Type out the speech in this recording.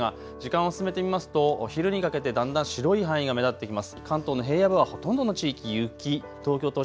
傘も必要なさそうなんですが時間を進めてみますとお昼にかけてだんだん白い範囲が目立ってきます。